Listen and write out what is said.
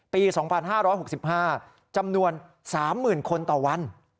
ปี๒๕๖๕จำนวน๓๐๐๐คนต่อวัน